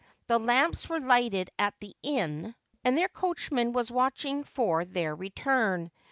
The lamps were lighted at the inn, and their coachman was watching for their return.